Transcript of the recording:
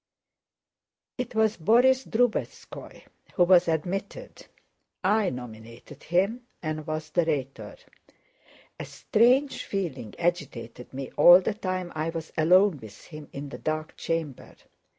It was Borís Drubetskóy who was admitted. I nominated him and was the Rhetor. A strange feeling agitated me all the time I was alone with him in the dark chamber.